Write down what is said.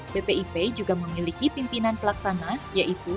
bpip juga memiliki pimpinan pelaksana yaitu